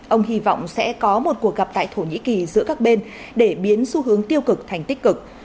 ông hy vọng sẽ có một cuộc gặp tại thổ nhĩ kỳ giữa các bên để biến xu hướng tiêu cực thành tích cực